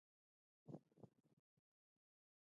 ایا ستاسو روغتیا ښه نه ده؟